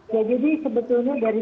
ya jadi sebetulnya dari